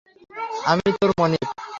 আমিই তোর মনিব।